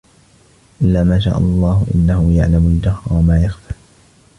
إِلَّا مَا شَاءَ اللَّهُ ۚ إِنَّهُ يَعْلَمُ الْجَهْرَ وَمَا يَخْفَىٰ